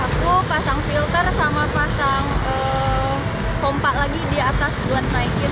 aku pasang filter sama pasang pompa lagi di atas buat naikin